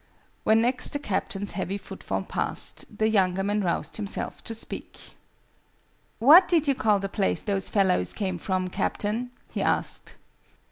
When next the Captain's heavy footfall passed, the younger man roused himself to speak. "What did you call the place those fellows came from, Captain?" he asked.